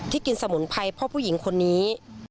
กินสมุนไพรพ่อผู้หญิงคนนี้